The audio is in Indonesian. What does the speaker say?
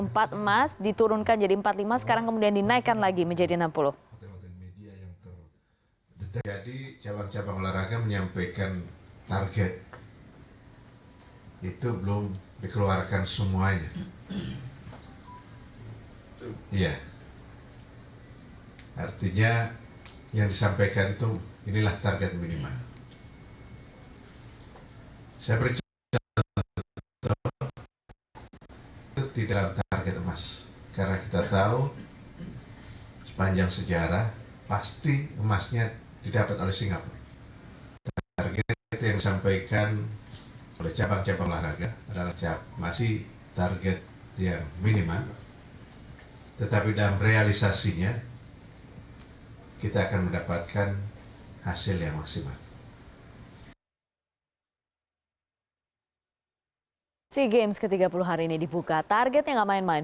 pada kejuaraan dua tahunan ini indonesia mengikuti lima puluh satu dari lima puluh enam cabang olahraga yang dipertandingkan